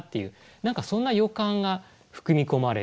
何かそんな予感が含み込まれている。